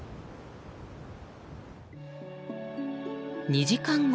２時間後。